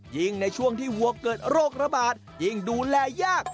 ยิ่งในช่วงที่วัวเกิดโรคระบาดยิ่งดูแลยาก